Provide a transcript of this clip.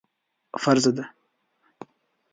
عبادت یوه خاضه منظره ده .